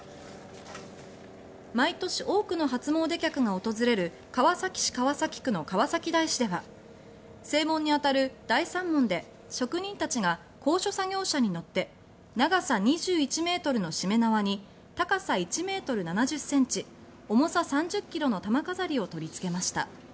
毎年多くの初詣客が訪れる川崎市川崎区の川崎大師では正門に当たる大山門で職人たちが高所作業車に乗って長さ２１ｍのしめ縄に高さ１ｍ７０ｃｍ重さ３０ｋｇの玉飾りを取りつけました。